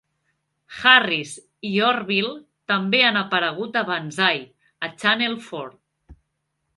Harris i Orville també han aparegut a "Banzai" a Channel Four.